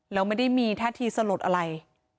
แล้วไม่ได้มีท่าทีสลดอะไร